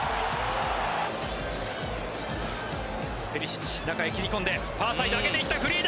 ペリシッチ、中に切り込んでファーサイド上げていった！